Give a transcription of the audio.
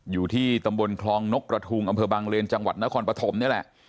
อยู่ที่ตำบลครองนกกระทูงอบังเรนจนครปฐมดนี้แหละ